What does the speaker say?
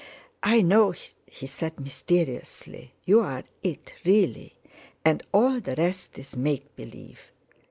"I know," he said mysteriously, "you're it, really, and all the rest is make believe."